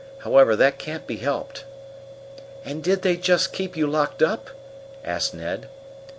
However, that can't be helped." "And did they just keep you locked up?" asked Ned.